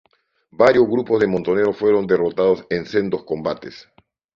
Varios grupos de montoneros fueron derrotados en sendos combates.